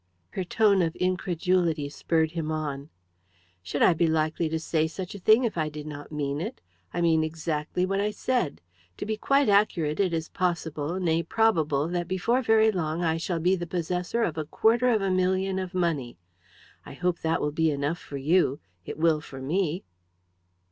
Her tone of incredulity spurred him on. "Should I be likely to say such a thing if I did not mean it? I mean exactly what I said. To be quite accurate, it is possible, nay, probable, that before very long I shall be the possessor of a quarter of a million of money. I hope that will be enough for you. It will for me."